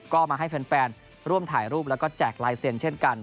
ก็มาให้แฟนร่วมถ่ายรูปแล้วก็แจกลายเซ็นต์เช่นกัน